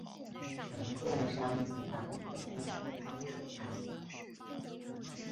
承建商及港铁监工均未有察觉。